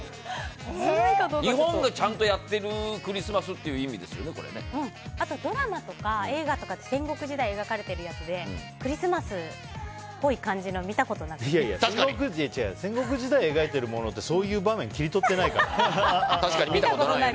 日本がちゃんとやってるクリスマスというあとドラマとか映画とかで戦国時代描かれているやつでクリスマスっぽい感じの戦国時代を描いてるものってそういう場面を切り取ってないから。